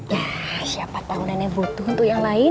yah siapa tahu nanya butuh untuk yang lain